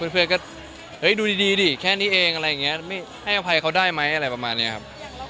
เพื่อนก็เฮ้ยดูดีดิแค่นี้เองอะไรอย่างนี้ไม่ให้อภัยเขาได้ไหมอะไรประมาณนี้ครับ